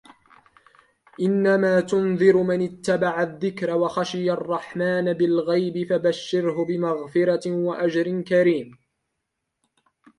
إِنَّما تُنذِرُ مَنِ اتَّبَعَ الذِّكرَ وَخَشِيَ الرَّحمنَ بِالغَيبِ فَبَشِّرهُ بِمَغفِرَةٍ وَأَجرٍ كَريمٍ